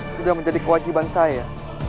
sudah menjadi kewajiban saya